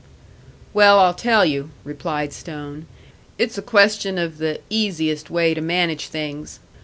"Well, I'll tell you," replied Stone; "it's a question of the easiest way to manage things.